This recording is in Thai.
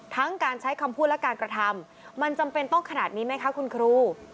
การใช้คำพูดและการกระทำมันจำเป็นต้องขนาดนี้ไหมคะคุณครู